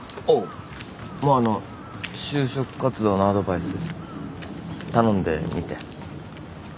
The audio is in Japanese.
おうまああの就職活動のアドバイス頼んでみて。